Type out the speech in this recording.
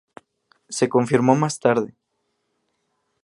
Se confirmó más tarde.